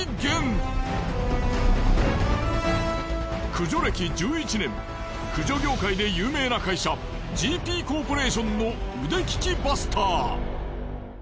駆除歴１１年駆除業界で有名な会社ＧＰコーポレーションの腕利きバスター。